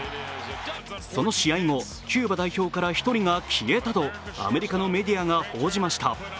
その試合後、キューバ代表から１人が消えたとアメリカのメディアが報じました。